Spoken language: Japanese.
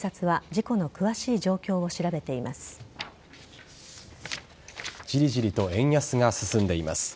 ジリジリと円安が進んでいます。